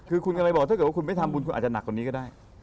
คือคุณกำลังบอกถ้าเกิดว่าคุณไม่ทำบุญคุณอาจจะหนักกว่านี้ก็ได้